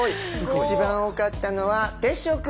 一番多かったのは煌翔君！